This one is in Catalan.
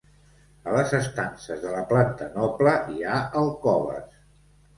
A les estances de la planta noble hi ha alcoves.